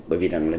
bởi vì là nitrat